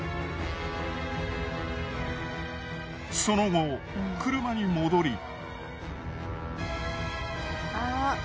その後車に戻り。